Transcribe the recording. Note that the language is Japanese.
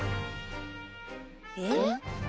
えっ？